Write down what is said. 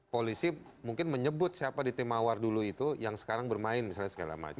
polisi mungkin menyebut siapa di tim awar dulu itu yang sekarang bermain misalnya segala macam